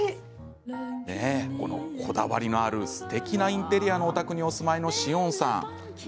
こだわりのあるすてきなインテリアのお宅にお住まいの紫苑さん。